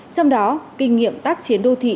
trong đó kinh nghiệm tác chiến đô thị